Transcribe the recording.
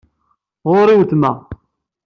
Ɣur-i weltma.